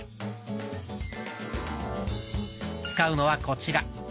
使うのはこちら。